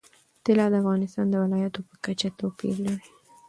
طلا د افغانستان د ولایاتو په کچه توپیر لري.